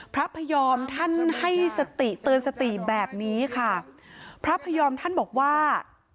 พระพยอมท่านให้สติเตือนสติแบบนี้ค่ะพระพยอมท่านบอกว่า